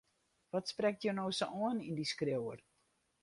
Wat sprekt jo no sa oan yn dy skriuwer?